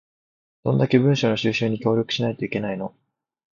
どんだけ文書の収集に協力しないといけないの